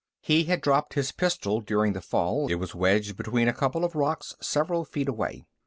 He had dropped his pistol during the fall; it was wedged between a couple of rocks several feet away.